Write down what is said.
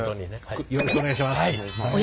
よろしくお願いします。